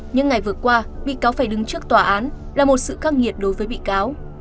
những ngày vừa qua bị cáo phải đứng trước tòa án là một sự khắc nghiệt đối với bị cáo